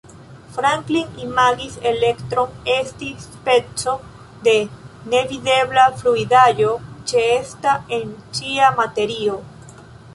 Franklin imagis elektron esti speco de nevidebla fluidaĵo ĉeesta en ĉia materio.